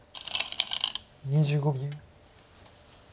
２５秒。